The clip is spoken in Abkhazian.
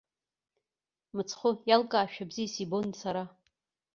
Мыцхәы иалкаашәа бзиа сибон сара.